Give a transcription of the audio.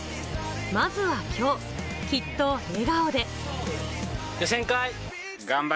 まずはきょう、きっと笑顔で。